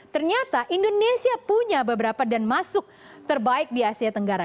ternyata indonesia punya beberapa dan masuk terbaik di asia tenggara